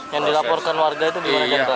yang dilaporkan warga itu dimana kontrol